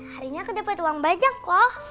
harinya aku dapet uang banyak loh